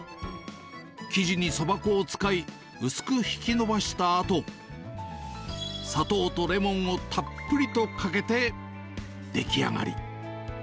生地にそば粉を使い、薄く引き伸ばしたあと、砂糖とレモンをたっぷりとかけて出来上がり。